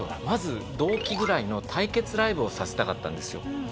まず同期ぐらいの対決ライブをさせたかったんですよ。